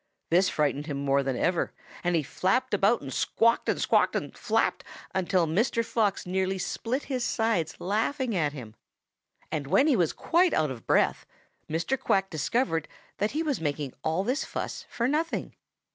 This frightened him more than ever, and he flapped about and squawked and squawked and flapped until Mr. Fox nearly split his sides laughing at him. And when he was quite out of breath, Mr. Quack discovered that he was making all this fuss for nothing.